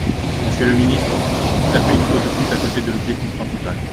Monsieur le ministre, vous tapez une fois de plus à côté de l’objectif principal.